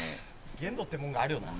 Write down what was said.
限度ってもんがあるよな。